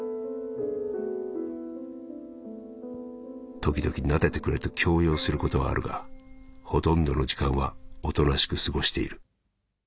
「ときどき撫でてくれと強要することはあるがほとんどの時間はおとなしく過ごしている。